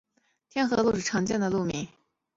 天河路是常见的路名。